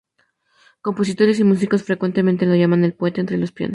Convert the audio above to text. Compositores y músicos frecuentemente lo llaman el poeta entre los pianos.